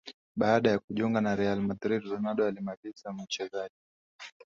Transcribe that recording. Baada ya kujiunga na Real Madrid Ronaldo alimaliza mchezaji